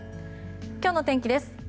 今日の天気です。